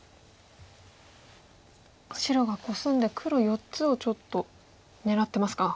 白がコスんで黒４つをちょっと狙ってますか。